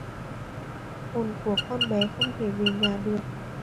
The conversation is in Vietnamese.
Hồn của con bé không thể về nhà được